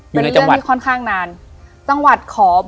อยู่ในจังหวัด